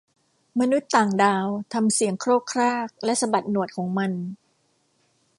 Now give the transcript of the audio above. มนุษย์ต่างดาวทำเสียงโครกครางและสะบัดหนวดของมัน